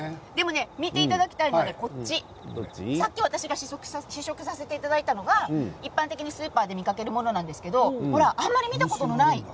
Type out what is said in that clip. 見ていただきたいのは、こちら試食させてもらったものが一般的にスーパーで見かけるものなんですけどあまり見たことのない。